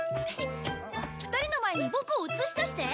２人の前にボクを映し出して。